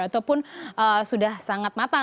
ataupun sudah sangat matang